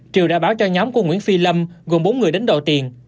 triều đã báo cho nhóm của nguyễn phi lâm gồm bốn người đánh đầu tiền